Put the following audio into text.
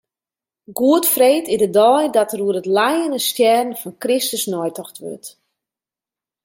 Goedfreed is de dei dat oer it lijen en stjerren fan Kristus neitocht wurdt.